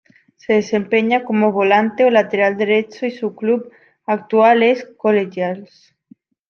Se desempeña como volante o lateral derecho y su club actual es Colegiales.